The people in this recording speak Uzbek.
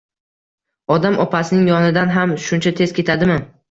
Odam opasining yonidan ham shuncha tez ketadimi?